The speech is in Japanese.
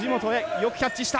よくキャッチした。